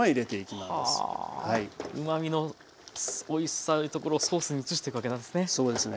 うまみのおいしさのところソースに移していくわけなんですね。